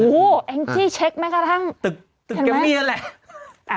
โอ้วอย่างที่เช็กแหมกระทั่งถึกกิ่งมีนั่นแหละ